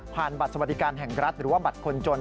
บัตรสวัสดิการแห่งรัฐหรือว่าบัตรคนจน